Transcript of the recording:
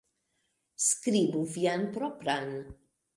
Skribu vian propran